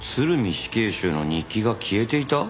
死刑囚の日記が消えていた？